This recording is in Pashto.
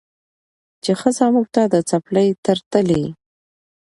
چې ښځه موږ ته د څپلۍ تر تلي